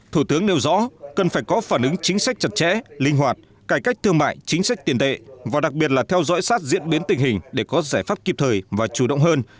thủ tướng nêu rõ cần phải có phản ứng chính sách chặt chẽ linh hoạt cải cách thương mại chính sách tiền tệ và đặc biệt là theo dõi sát diễn biến tình hình để có giải pháp kịp thời và chủ động hơn